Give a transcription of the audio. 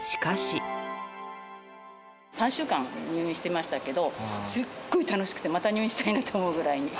３週間入院してましたけど、すっごい楽しくて、また入院したいなと思うぐらいに。